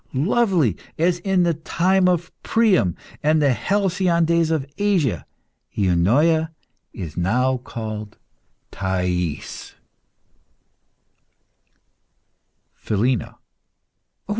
Lovely as in the time of Priam and the halcyon days of Asia, Eunoia is now called Thais. PHILINA.